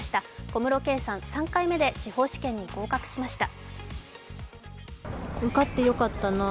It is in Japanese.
小室圭さん、３回目で司法試験に合格しました。